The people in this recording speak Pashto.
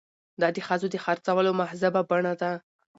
دا د ښځو د خرڅولو مهذبه بڼه ده.